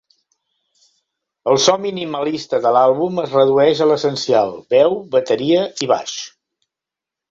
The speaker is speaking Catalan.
El so minimalista de l'àlbum es redueix a l'essencial: veu, bateria i baix.